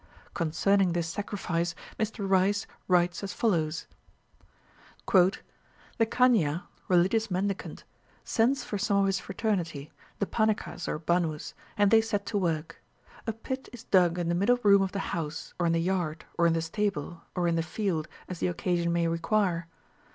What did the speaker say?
Concerning this sacrifice, Mr Rice writes as follows : "The Kaniya (religious mendicant) sends for some of his fraternity, the Panikas or Bannus, and they set to work. A pit is dug in the middle room of the house or in the yard, or in the stable, or in the field, as the occasion may require.